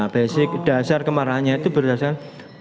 basic dasar kemarahannya itu berdasarkan